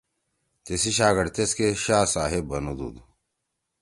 تیِسی شاگڑ تیسکے شاہ صاحب بنُودُود